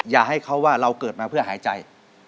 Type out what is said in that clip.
อย่าให้เขาว่าเราเกิดมาเพื่อหายใจ